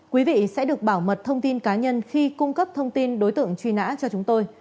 quý vị sẽ được bảo mật thông tin cá nhân khi cung cấp thông tin đối tượng truy nã cho chúng tôi